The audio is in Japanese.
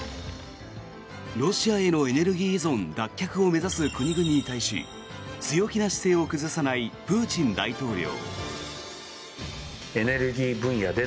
ロシアへのエネルギー依存脱却を目指す国々に対し強気な姿勢を崩さないプーチン大統領。